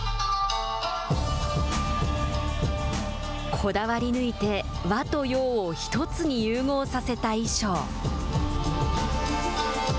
こだわり抜いて和と洋を１つに融合させた衣装。